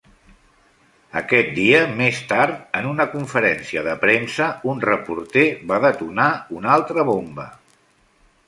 Aquest dia més tard, en una conferència de premsa, un reporter va detonar una altra bomba.